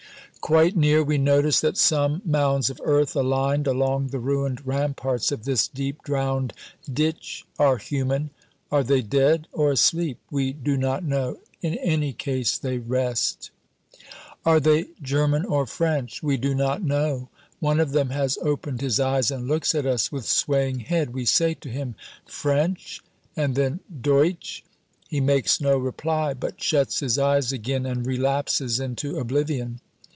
Quite near, we notice that some mounds of earth aligned along the ruined ramparts of this deep drowned ditch are human. Are they dead or asleep? We do not know; in any case, they rest. Are they German or French? We do not know. One of them has opened his eyes, and looks at us with swaying head. We say to him, "French?" and then, "Deutsch?" He makes no reply, but shuts his eyes again and relapses into oblivion.